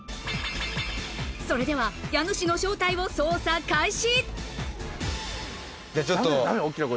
それでは家主の正体を捜査開始。